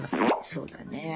そうだね。